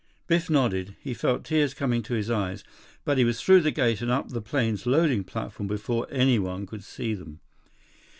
Biff nodded. He felt tears coming to his eyes, but he was through the gate and up the plane's loading platform before anyone could see them.